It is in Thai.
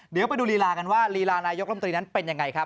เดี๋ยวไปดูลีลากันว่าลีลานายกรมตรีนั้นเป็นยังไงครับ